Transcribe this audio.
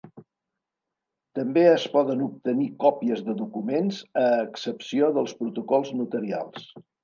També es poden obtenir còpies de documents, a excepció dels Protocols Notarials.